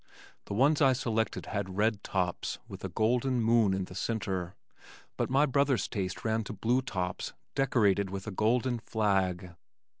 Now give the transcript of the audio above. The ones I selected had red tops with a golden moon in the center but my brother's taste ran to blue tops decorated with a golden flag.